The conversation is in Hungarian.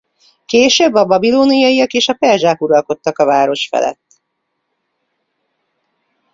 Később A babilóniak és a perzsák uralkodtak a város felett.